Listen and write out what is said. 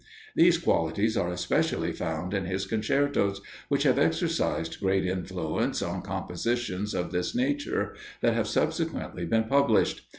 These qualities are especially found in his concertos, which have exercised great influence on compositions of this nature that have subsequently been published.